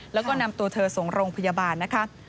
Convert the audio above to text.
แล้วก็นำตัวเธอส่งโรงพยาบาลนะคะ